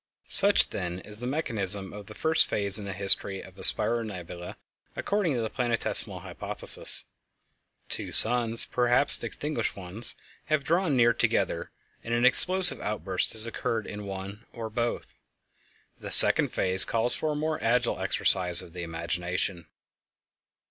Such, then, is the mechanism of the first phase in the history of a spiral nebula according to the Planetesimal Hypothesis. Two suns, perhaps extinguished ones, have drawn near together, and an explosive outburst has occured in one or both. The second phase calls for a more agile exercise of the imagination.